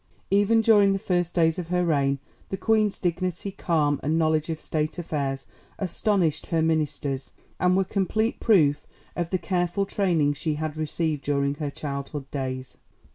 ] Even during the first days of her reign, the Queen's dignity, calm, and knowledge of State affairs astonished her ministers, and were complete proof of the careful training she had received during her girlhood days.